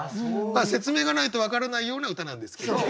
まあ説明がないと分からないような歌なんですけどね。